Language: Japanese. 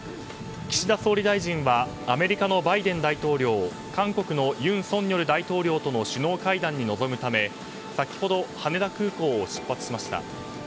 岸田総理大臣はアメリカのバイデン大統領韓国の尹錫悦大統領との首脳会談に臨むため先ほど羽田空港を出発しました。